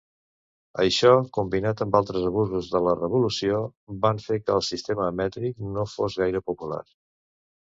Això, combinat amb altres abusos de la Revolució, van fer que el sistema mètric no fos gaire popular.